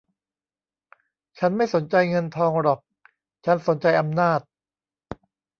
ฉันไม่สนใจเงินทองหรอก ฉันสนใจอำนาจ